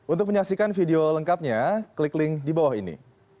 untuk menyaksikan video lengkapnya klik link di bawah ini